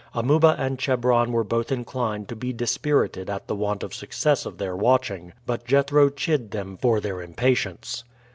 Amuba and Chebron were both inclined to be dispirited at the want of success of their watching, but Jethro chid them for their impatience.